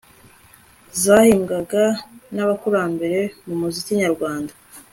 zahimbwaga n'abakurambere mu muziki nyarwanda